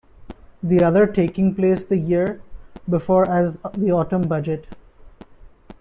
The other taking place the year before as the Autumn Budget.